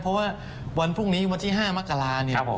เพราะว่าวันพรุ่งนี้วันที่๕มกราเนี่ย